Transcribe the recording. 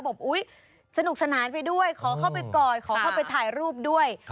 อุ๊ยสนุกสนานไปด้วยขอเข้าไปก่อนขอเข้าไปถ่ายรูปด้วย